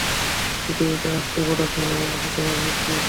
পৃথিবীতে আছড়ে পড়ার সম্ভাবনা শতভাগ নিশ্চিত!